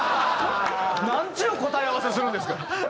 なんちゅう答え合わせするんですか。